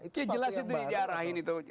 itu yang baru